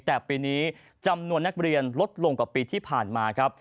แต่ปีนี้จำนวนนักเรียนลดลงกว่าปีที่ผ่านมาครับ